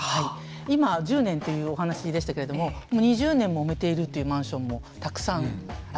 今１０年というお話でしたけれどももう２０年もめているっていうマンションもたくさんあります。